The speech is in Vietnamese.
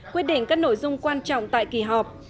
quyết định các nội dung quan trọng tại kỳ họp